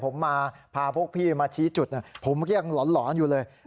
ผมมาพาพวกพี่มาชี้จุดผมก็ยังหลอนอยู่เลย